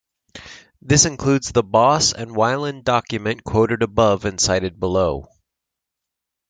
This includes the Boss and Wilen document quoted above and cited below.